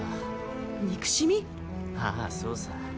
ああそうさ。